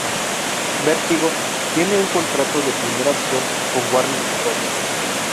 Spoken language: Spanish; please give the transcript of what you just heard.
Vertigo tiene un contrato de primera opción con Warner Bros.